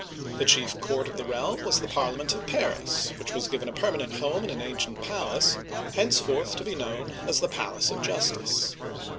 The chief court of the realm was the Parlia ment of Paris, which was given a permanent home in an' ancient palace, henceforth to be known as the Palace of Justice.